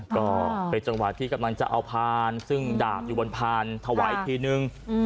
ก็เป็นจังหวะที่กำลังจะเอาพานซึ่งดาบอยู่บนพานถวายทีนึง